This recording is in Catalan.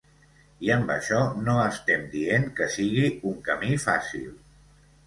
I amb això no estem dient que sigui un camí fàcil.